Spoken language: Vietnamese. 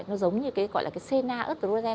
nó giống như cái gọi là cái sena ớt rô gen